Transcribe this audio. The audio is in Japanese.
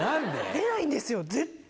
出ないんですよ。